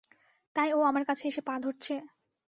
তাই ও আমার কাছে এসে পা ধরছে?